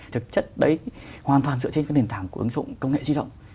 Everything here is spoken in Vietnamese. thực chất đấy hoàn toàn dựa trên cái nền tảng của ứng dụng công nghệ di động